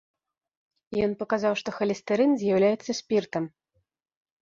Ён паказаў, што халестэрын з'яўляецца спіртам.